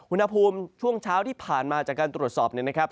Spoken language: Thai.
อุณหภูมิช่วงเช้าที่ผ่านมาจากการตรวจสอบ